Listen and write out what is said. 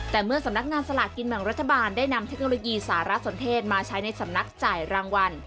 แต่เมื่อสำนักงานสลากกินแบ่งรัฐบาลได้นำเทคโนโลยีสารสนเทศมาใช้ในสำนักจ่ายรางวัล